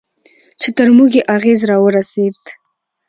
چې تر موږ یې اغېز راورسېد.